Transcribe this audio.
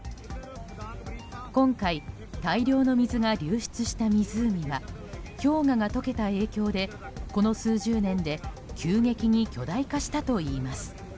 今回、大量の水が流出した湖は氷河が解けた影響でこの数十年で急激に巨大化したといいます。